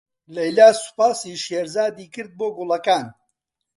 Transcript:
لەیلا سوپاسی شێرزاد کرد بۆ گوڵەکان.